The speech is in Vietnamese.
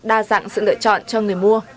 đa dạng sự lựa chọn cho người mua